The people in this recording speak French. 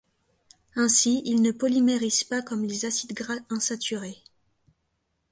Ainsi, il ne polymérise pas comme les acides gras insaturés.